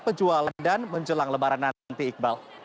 penjual dan menjelang lebaran nanti iqbal